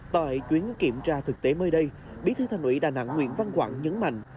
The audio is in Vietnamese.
tại chuyến kiểm tra thực tế mới đây bí thư thành ủy đà nẵng nguyễn văn quảng nhấn mạnh